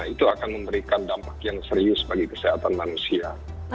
itu akan memberikan dampak yang serius bagi kesehatan manusia